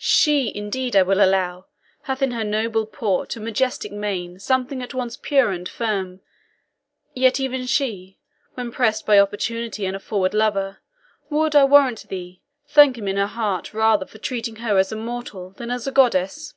SHE indeed, I will allow, hath in her noble port and majestic mien something at once pure and firm; yet even she, when pressed by opportunity and a forward lover, would, I warrant thee, thank him in her heart rather for treating her as a mortal than as a goddess."